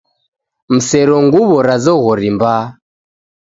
Musero nguwo ra zoghori mbaa